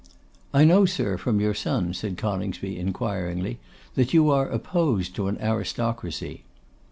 'I know, sir, from your son,' said Coningsby, inquiringly, 'that you are opposed to an aristocracy.